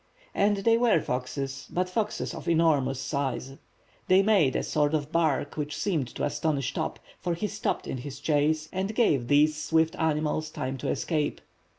And they were foxes, but foxes of enormous size. They made a sort of bark which seemed to astonish Top, for he stopped in his chase and gave these swift animals time to escape.